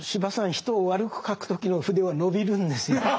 人を悪く書く時の筆は伸びるんですよ。